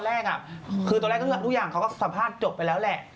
เพราะไม่คือว่าตอนแรกอะตอนแรกก็ทุกอย่างเขาก็สัมภาษณ์จบไปแล้วแหละ